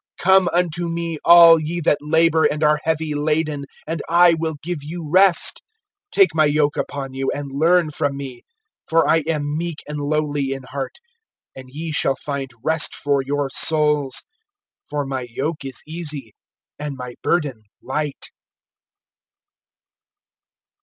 (28)Come unto me all ye that labor and are heavy laden, and I will give you rest. (29)Take my yoke upon you, and learn from me; for I am meek and lowly in heart; and ye shall find rest for your souls. (30)For my yoke is easy, and my burden light.